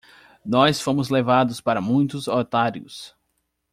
Nós fomos levados para muitos otários!